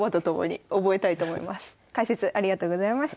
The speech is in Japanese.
解説ありがとうございました。